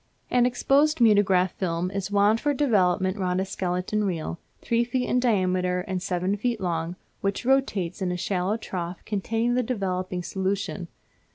An exposed mutograph film is wound for development round a skeleton reel, three feet in diameter and seven long, which rotates in a shallow trough containing the developing solution.